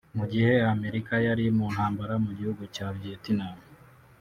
Mu gihe Amerika yari mu ntambara mu gihugu cya Vietnam